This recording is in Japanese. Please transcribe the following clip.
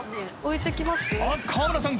［あっ川村さん